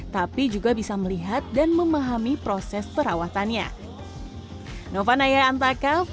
tapi juga bisa melihat dan memahami proses perawatannya